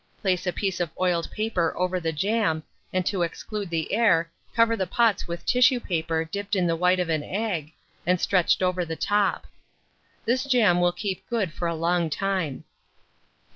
Place a piece of oiled paper over the jam, and to exclude the air, cover the pots with tissue paper dipped in the white of an egg, and stretched over the top. This jam will keep good for a long time.